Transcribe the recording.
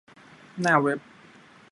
หน้าเว็บ